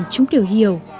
chúng đều hiểu